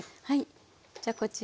じゃこちら。